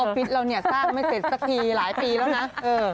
ฟิตเราเนี่ยสร้างไม่เสร็จสักทีหลายปีแล้วนะ